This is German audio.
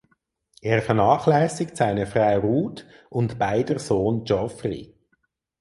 Er vernachlässigt seine Frau Ruth und beider Sohn Geoffrey.